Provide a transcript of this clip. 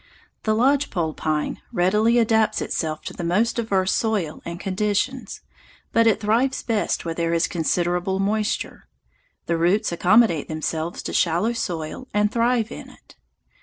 The lodge pole readily adapts itself to the most diverse soil and conditions, but it thrives best where there is considerable moisture. The roots accommodate themselves to shallow soil, and thrive in it.